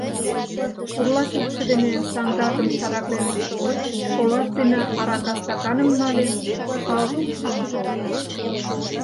Пурла кидше дене саҥгажым чараклен, шолаж дене арака стаканым нале, шалт йӱын колтыш.